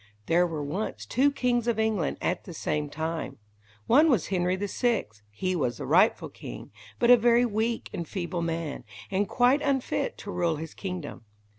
= There were once two kings of England at the same time. One was Henry VI. He was the rightful king, but a very weak and feeble man, and quite unfit to rule his kingdom.